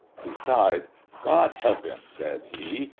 He sighed. " God help him I " said he.